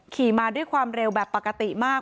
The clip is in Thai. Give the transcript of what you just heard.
ขี่มาด้วยความเร็วแบบปกติมาก